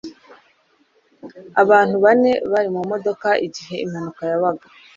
abantu bane bari mu modoka igihe impanuka yabaga